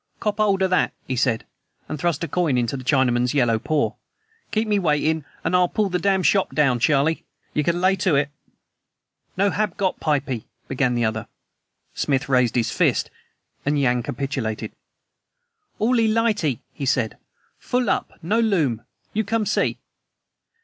"Kop 'old o' that," he said, and thrust a coin into the Chinaman's yellow paw. "Keep me waitin' an' I'll pull the dam' shop down, Charlie. You can lay to it." "No hab got pipee " began the other. Smith raised his fist, and Yan capitulated. "Allee lightee," he said. "Full up no loom. You come see."